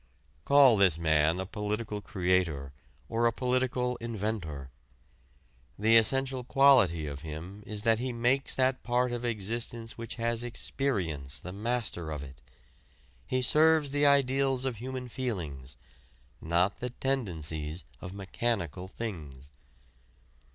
Call this man a political creator or a political inventor. The essential quality of him is that he makes that part of existence which has experience the master of it. He serves the ideals of human feelings, not the tendencies of mechanical things.